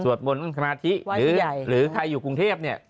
สวดมนต์นั่งสมาธิหรือใครอยู่กรุงเทพฯ